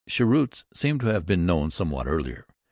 Cheroots seem to have been known somewhat earlier.